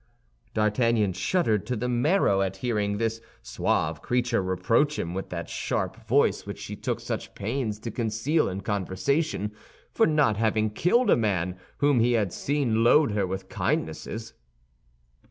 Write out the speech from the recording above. D'Artagnan shuddered to the marrow at hearing this suave creature reproach him, with that sharp voice which she took such pains to conceal in conversation, for not having killed a man whom he had seen load her with kindnesses.